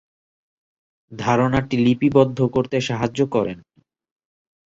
ধারণাটি লিপিবদ্ধ করতে সাহায্য করেন।